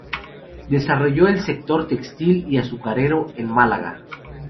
Desarrolló el sector textil y azucarero en Málaga.